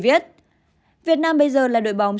viết việt nam bây giờ là đội bóng